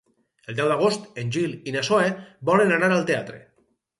El deu d'agost en Gil i na Zoè volen anar al teatre.